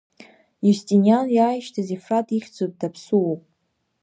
Иустиниан иааишьҭыз Ефраҭ ихьӡуп, даԥсуоуп.